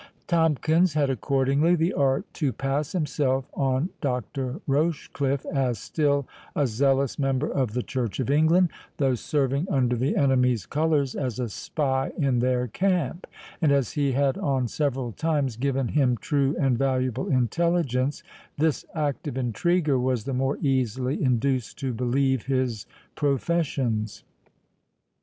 Tomkins had accordingly the art to pass himself on Dr. Rochecliffe as still a zealous member of the Church of England, though serving under the enemy's colours, as a spy in their camp; and as he had on several times given him true and valuable intelligence, this active intriguer was the more easily induced to believe his professions.